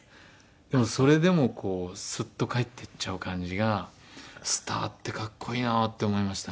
それでもこうスッと帰っていっちゃう感じがスターって格好いいなって思いましたね。